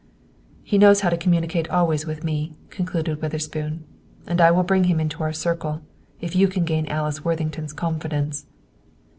"He knows how to communicate always with me," concluded Witherspoon, "and I will bring him into our circle, if you can gain Alice Worthington's confidence."